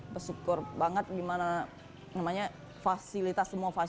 besyukur banget gimana namanya fasilitas semua